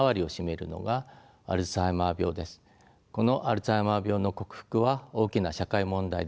このアルツハイマー病の克服は大きな社会問題であると言えます。